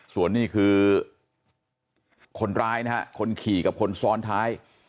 ส่วนนี้คือคนร้ายนะฮะคนขี่กับคนซ้อนท้าย